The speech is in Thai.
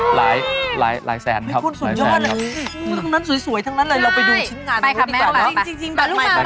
หลายแสนครับพี่คุณสุนชอบนี้ตรงนั้นสวยตรงนั้นเลยเราไปดูชิ้นงานด้วยก่อน